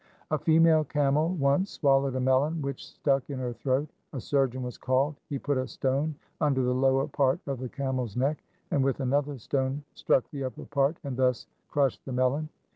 2 A female camel once swallowed a melon which stuck in her throat. A surgeon was called. He put a stone under the lower part of the camel's neck, and with another stone struck the upper part and thus crushed the melon.